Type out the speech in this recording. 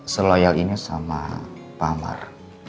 seloyal ini sama pak amar